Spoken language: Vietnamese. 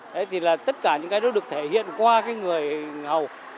thế thì là tất cả những cái đó được thể hiện qua cái người hậu